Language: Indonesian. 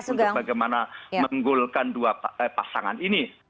untuk bagaimana menggolkan dua pasangan ini